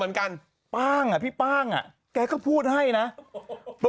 ขนอนแล้วที่สำคัญแจกรถแจกมอเตอร์ไซค์เสร็จปุ๊บบอลรับงานเลยจ้า